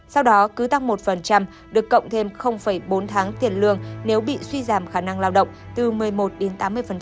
sau đó cứ tăng một được cộng thêm bốn tháng tiền lương nếu bị suy giảm khả năng lao động từ một mươi một đến tám mươi